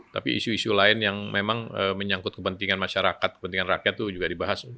tapi isu isu lain yang memang menyangkut kepentingan masyarakat kepentingan rakyat itu juga dibahas